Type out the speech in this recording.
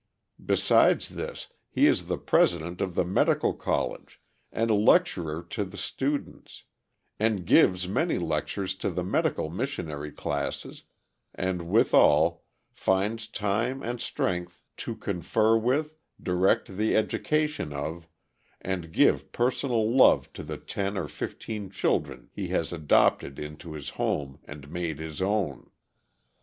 Besides this he is the president of the medical college, and lecturer to the students, and gives many lectures to the Medical Missionary Classes, and withal, finds time and strength to confer with, direct the education of, and give personal love to the ten or fifteen children he has adopted into his home and made his own.